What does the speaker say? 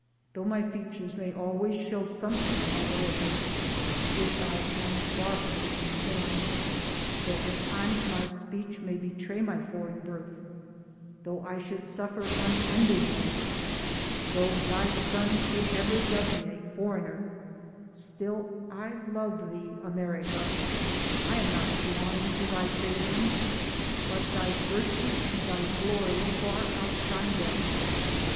Though my features may always show something of my origin, of which I am far from being ashamed; though at times my speech may betray my foreign birth; though I should suffer unendingly; though Thy sons should ever dub me a "foreigner," still I love Thee, America. I am not blind to Thy failings, but Thy virtue and Thy glory far outshine them.